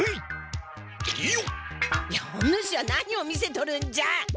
おぬしは何を見せとるんじゃ。